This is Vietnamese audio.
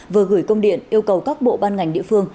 vừa gửi công điện yêu cầu các bộ ban ngành địa phương